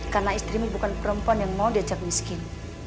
karena istrimu bukan perempuan yang mau diajak miskin